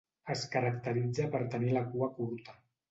Es caracteritza per tenir la cua curta.